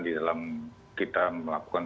di dalam kita melakukan